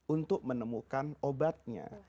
untuk menemukan obatnya